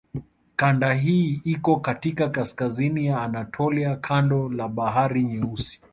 Kanda hii iko katika kaskazini ya Anatolia kando la Bahari Nyeusi.